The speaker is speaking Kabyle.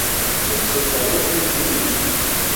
D tidet! Tessukkseḍ-d tarwiḥt-iw si lmut.